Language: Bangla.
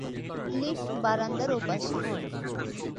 লিফট বারান্দার ওপাশে।